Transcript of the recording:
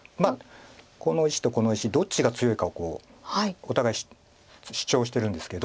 この石とこの石どっちが強いかをお互い主張してるんですけど。